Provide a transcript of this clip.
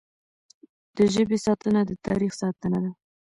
د ژبې ساتنه د تاریخ ساتنه ده.